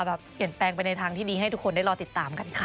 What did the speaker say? เปลี่ยนแปลงไปในทางที่ดีให้ทุกคนได้รอติดตามกันค่ะ